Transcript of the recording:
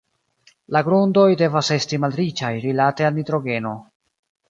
La grundoj devas esti malriĉaj rilate al nitrogeno.